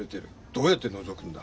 どうやってのぞくんだ？